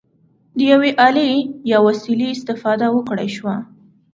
د یوې الې یا وسیلې استفاده وکړای شوه.